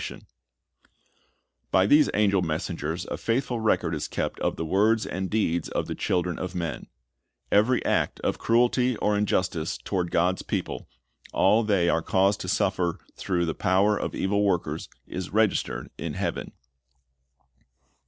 1 Heb. :: 14 ''Shall Not God Avenge His Ozunf' 177 By these angel messengers a faithful record is kept of the words and deeds of the children of men. Every act of cruelty or injustice toward God's people, all they are caused to suffer through the power of evil workers, is registered in heaven.